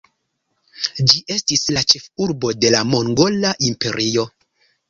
Ĝi estis la ĉefurbo de la Mongola Imperio.